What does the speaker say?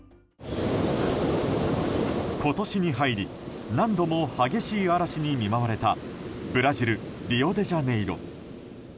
今年に入り何度も激しい嵐に見舞われたブラジル・リオデジャネイロ。